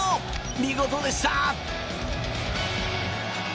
見事でした！